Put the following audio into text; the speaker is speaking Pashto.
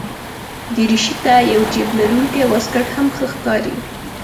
دریشي ته یو جېب لرونکی واسکټ هم ښه ښکاري.